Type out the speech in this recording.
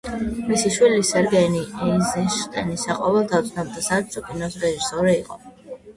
მისი შვილი სერგეი ეიზენშტეინი საყოველთაოდ ცნობილი საბჭოთა კინორეჟისორი იყო.